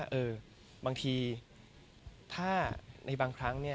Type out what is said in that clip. ก็มีไปคุยกับคนที่เป็นคนแต่งเพลงแนวนี้